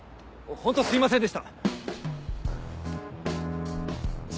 ホントすいませんでした！